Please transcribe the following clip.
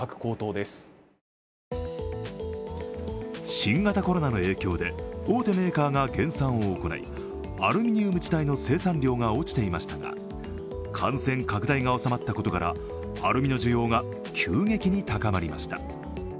新型コロナの影響で、大手メーカーが減産を行いアルミニウム自体の生産量が落ちていましたが感染拡大が収まったことから、アルミの需要が急激に高まりました。